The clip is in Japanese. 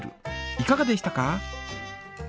いかがでしたか？